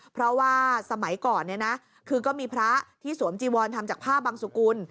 เพราะว่าสมัยก่อนเนี่ยนะคือก็มีพระที่สวมจีวอนทำจากผ้าบังสุกุล